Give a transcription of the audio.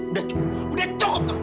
udah cukup udah cukup kamu